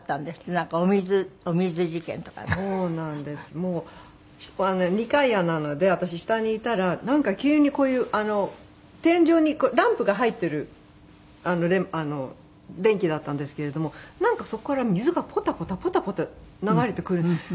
もう二階屋なので私下にいたらなんか急にこういう天井にランプが入ってる電気だったんですけれどもなんかそこから水がポタポタポタポタ流れてくる。